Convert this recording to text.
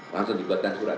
langsung dibuatkan surat